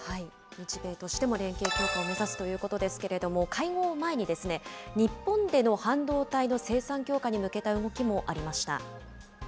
日米としても連携強化を目指すということですけれども、会合を前に、日本での半導体の生産強化に向けた動きもありました。